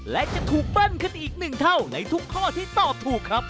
และจะถูกเบิ้ลขึ้นอีกหนึ่งเท่าในทุกข้อที่ตอบถูกครับ